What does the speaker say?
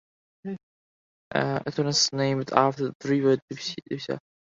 It was named after the river Dubysa.